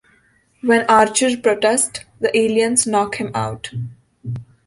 When Archer protests, the aliens knock him out.